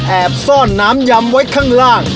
แอบซ่อนน้ำยำไว้ข้างล่าง